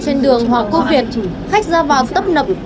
trong trường hòa covid khách ra vào tấp nập